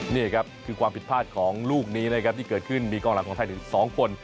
นี่ครับคือความผิดพลาดของลูกนี้นะครับที่เกิดขึ้นมีกองหลังของไทยถึง๒คน